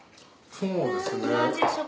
そうですね。